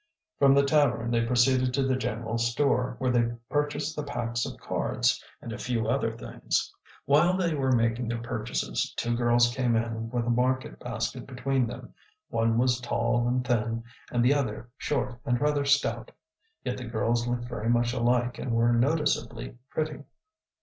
From the tavern they proceeded to the general store, where they purchased the packs of cards and a few other things. While they were making their purchases two girls came in with a market basket between them. One was tall and thin and the other short and rather stout. Yet the girls looked very much alike and were noticeably pretty.